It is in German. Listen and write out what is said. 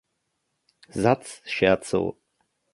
Satz, Scherzo.